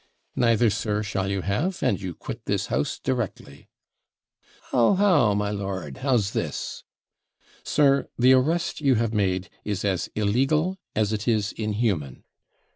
'Neither, sir, shall you have; and you quit this house directly.' 'How! how! my lord, how's this?' 'Sir, the arrest you have made is as illegal as it is inhuman.'